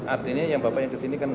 artinya yang bapak yang kesini kan